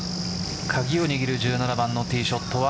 鍵を握る１７番のティーショットは。